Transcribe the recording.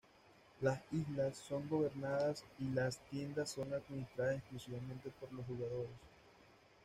Las islas son gobernadas y las tiendas son administradas exclusivamente por los jugadores.